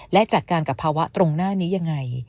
และจัดการกับภาวะตรงหน้านี้ยังไง